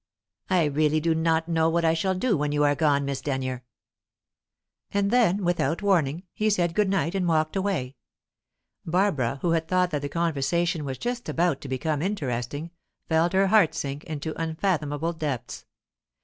"I really do not know what I shall do when you are gone, Miss Denyer." And then, without warning, he said good night and walked away. Barbara, who had thought that the conversation was just about to become interesting, felt her heart sink into unfathomable depths.